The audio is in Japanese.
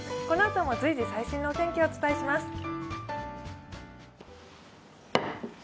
このあとも随時最新のお天気をお伝えします。